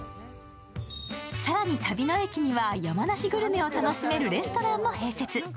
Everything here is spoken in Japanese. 更に、旅の駅には山梨グルメを楽しめるレストランも併設。